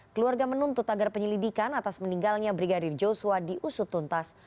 keluarga menuntut agar penyelidikan atas meninggalnya brigadir joshua diusut tuntas